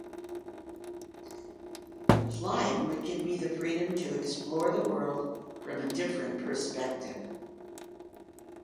Flying would give me the freedom to explore the world from a different perspective.